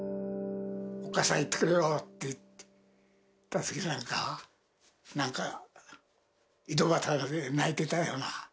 おっかさん、行ってくるよと言ったときなんかは、なんか、井戸端で泣いてたような。